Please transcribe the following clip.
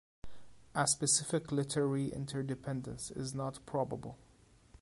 A specific literary interdependence is not probable.